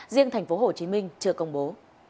riêng thành phố hồ chí minh chưa công bố